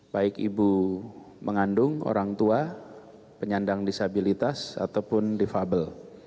baik ibu mengandung orang tua penyandang disabilitas ataupun defable